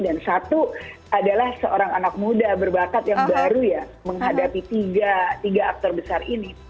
dan satu adalah seorang anak muda berbakat yang baru ya menghadapi tiga aktor besar ini